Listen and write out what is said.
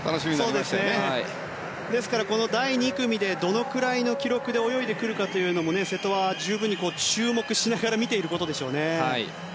ですから、この第２組がどれくらいの記録で泳いでくるのかも瀬戸は十分に注目しながら見ていることでしょうね。